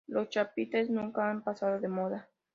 Los chapiteles nunca han pasado de moda.